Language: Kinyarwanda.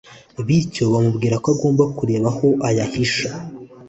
bityo bamubwira ko agomba kureba aho ayahisha